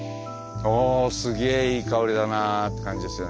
「おおすげえいい香りだな」って感じですよね。